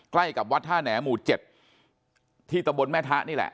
ใกล้กับวัดท่าแหน่หมู่๗ที่ตะบนแม่ทะนี่แหละ